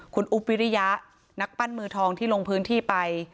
คุณอุ๊บวิริยะนักปั้นมือทองที่ลงพื้นที่ไป